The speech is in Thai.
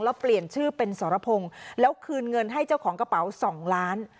แล้วเปลี่ยนชื่อเป็นสรพงศ์แล้วคืนเงินให้เจ้าของกระเป๋า๒ล้าน